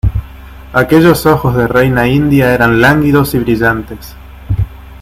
aquellos ojos de reina india eran lánguidos y brillantes: